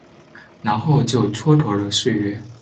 然后就蹉跎了岁月